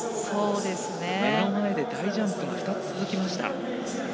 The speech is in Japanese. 目の前で大ジャンプが２つ続きました。